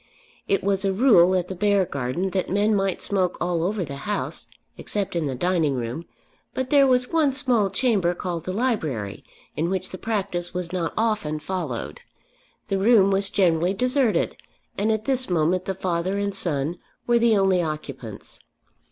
It was a rule at the Beargarden that men might smoke all over the house except in the dining room; but there was one small chamber called the library, in which the practice was not often followed. The room was generally deserted, and at this moment the father and son were the only occupants.